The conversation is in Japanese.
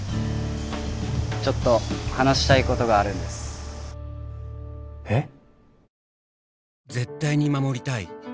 ちょっと話したいことがあるんですえっ？